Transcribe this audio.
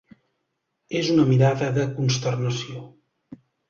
És una mirada de consternació.